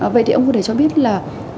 vậy thì ông có thể cho biết là